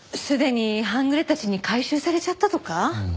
すでに半グレたちに回収されちゃったとか？